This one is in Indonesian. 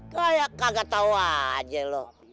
kayak kagak tau aja lo